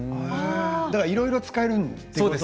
だからいろいろ使えるんですね。